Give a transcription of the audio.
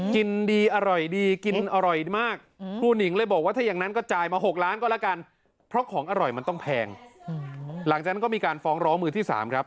หลังจากนั้นก็มีการฟ้องร้องมือที่สามครับ